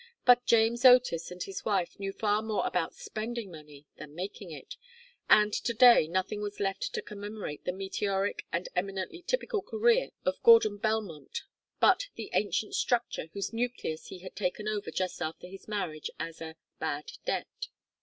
But James Otis and his wife knew far more about spending money than making it, and to day nothing was left to commemorate the meteoric and eminently typical career of Gordon Belmont but the ancient structure whose nucleus he had taken over just after his marriage as a "bad debt."